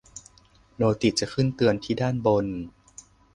โนติจะขึ้นเตือนที่ด้านบน